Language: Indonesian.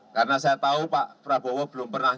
karena saya tahu pak prabowo belum pernah